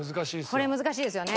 これ難しいですよね。